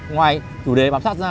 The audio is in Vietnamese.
ngoài chủ đề bám sát ra